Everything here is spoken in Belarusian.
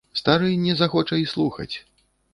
Стары не захоча й слухаць.